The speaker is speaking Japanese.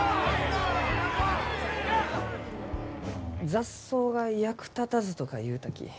「雑草が役立たず」とか言うたき。